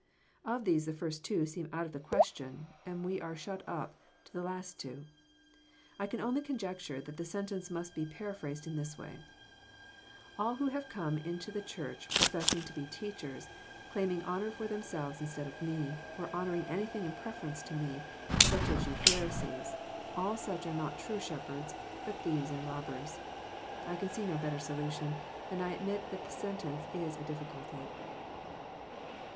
Of these, the two first seem out of the question, and we are shut up to the two last. I can only conjecture that the sentence must be paraphrased in this way :" All who have come into the Church professing to be teachers, claiming honour for themselves instead of Me, or honouring I anything in preference to Me, such as you Pharisees, — all such j are not true shepherds, but thieves and robbers." I can see no ! better solution, and I admit that the sentence is a difficulty.